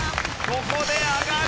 ここで上がる。